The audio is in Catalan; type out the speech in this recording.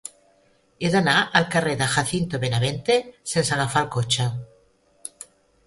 He d'anar al carrer de Jacinto Benavente sense agafar el cotxe.